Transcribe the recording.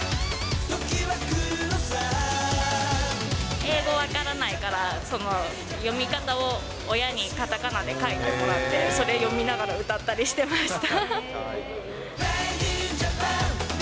英語分からないから、読み方を親にかたかなで書いてもらって、それ読みながら、歌ったりしてました。